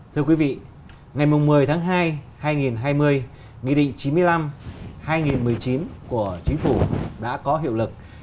thưa quý vị ngày một mươi tháng hai hai nghìn hai mươi nghị định chín mươi năm hai nghìn một mươi chín của chính phủ đã có hiệu lực